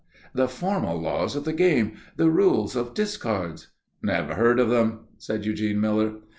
"The formal laws of the game the rules of discards " "Never heard of them," said Eugene Miller.